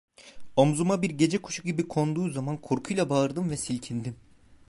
Omuzuma bir gece kuşu gibi konduğu zaman korkuyla bağırdım ve silkindim.